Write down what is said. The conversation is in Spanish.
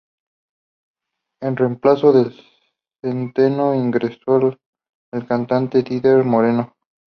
En reemplazo de Centeno, ingresó el cantante Didier Moreno.